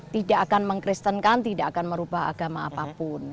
tidak akan mengkristenkan tidak akan merubah agama apapun